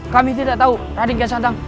kami tidak tahu raden kian santang